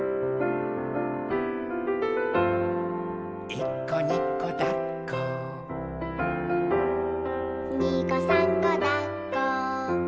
「いっこにこだっこ」「にこさんこだっこ」